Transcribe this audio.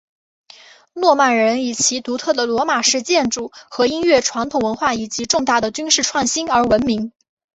诺曼人以其独特的罗马式建筑和音乐传统文化以及重大的军事创新而闻名。